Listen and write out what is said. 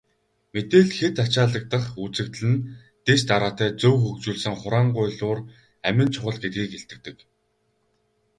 Мэдээлэл хэт ачаалагдах үзэгдэл нь дэс дараатай, зөв хөгжүүлсэн хураангуйлуур амин чухал гэдгийг илтгэдэг.